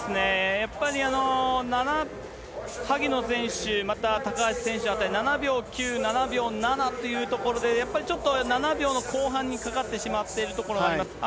やっぱり萩野選手、また高橋選手あたり、７秒９、７秒７っていうところで、やっぱりちょっと７秒の後半にかかってしまっているところがあります。